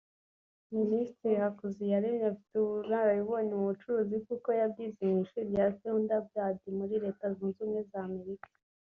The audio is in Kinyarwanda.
Minisitiri Hakuziraremye afite ubunararibonye mu bucuruzi kuko yabyize mu ishuri rya Thunderbird muri Leta Zunze Ubumwe za Amerika